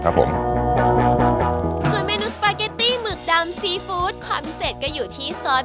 ส่วนเมนูสปาเกตตี้หมึกดำซีฟู้ดความพิเศษก็อยู่ที่ซอส